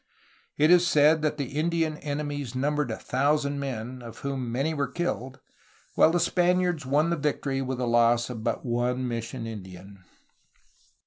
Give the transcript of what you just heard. It is said that the 428 A HISTORY OF CALIFORNIA Indian enemies numbered a thousand men, of whom many were killed, while the Spaniards won the victory with a loss of but one mission Indian.